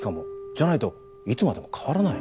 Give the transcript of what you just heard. じゃないといつまでも変わらない。